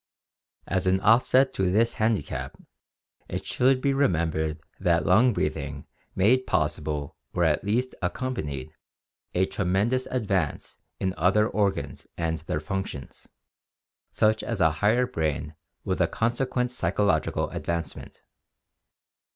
As an offset to this handicap it should be remembered that. lung breathing made possible or at least accompanied a tremendous advance in other organs and their functions, such as a higher brain •with a consequent psychological advancement.